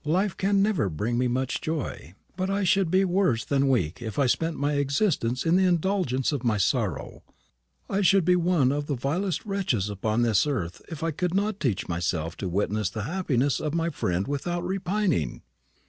"Life can never bring me much joy; but I should be worse than weak if I spent my existence in the indulgence of my sorrow. I should be one of the vilest wretches upon this earth if I could not teach myself to witness the happiness of my friend without repining."